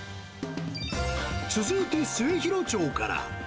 続いて、末広町から。